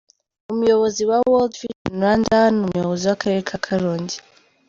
Umuyobozi wa World Vision Rwanda n’umuyobozi w’akarere ka Karongi.